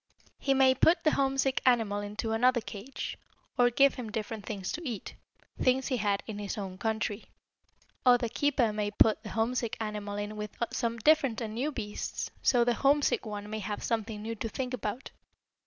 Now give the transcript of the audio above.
He may put the homesick animal into another cage, or give him different things to eat things he had in his own country. Or the keeper may put the homesick animal in with some different and new beasts, so the homesick one may have something new to think about.